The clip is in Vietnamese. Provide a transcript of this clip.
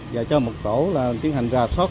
và cho một tổ là tiến hành ra sót